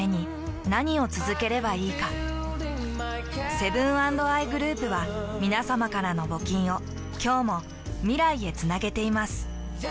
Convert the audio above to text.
セブン＆アイグループはみなさまからの募金を今日も未来へつなげています。